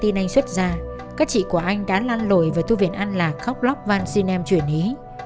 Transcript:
khi anh thọ xuất ra các chị của anh đã lan lồi vào thu viện an lạc khóc lóc văn xin em chuyển ý